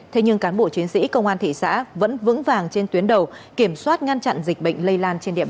thế nhưng cán bộ chiến sĩ công an thị xã vẫn vững vàng trên tuyến đầu kiểm soát ngăn chặn dịch bệnh lây lan trên địa bàn